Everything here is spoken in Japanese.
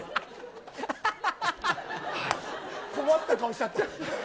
困った顔しちゃってる。